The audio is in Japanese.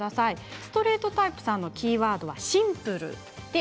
ストレートタイプさんのキーワードはシンプルです。